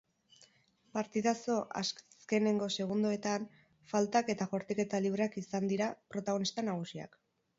Partidazo azkenengo segundoetan faltak eta jaurtiketa libreak izandira protagonista nagusiak.